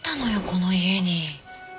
この家に。